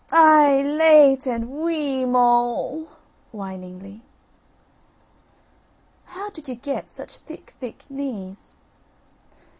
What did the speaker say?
"Aih h h! late and wee e e moul" (whiningly). "How did you get such thick thick knees?"